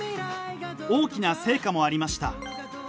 大きな成果もありました。